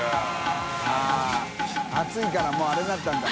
◆舛熱いからもうあれになったんだ。